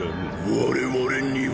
我々には。